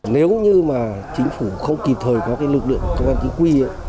nếu như mà chính phủ không kịp thời có cái lực lượng của công an chính quy